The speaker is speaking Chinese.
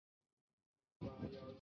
邦奥埃。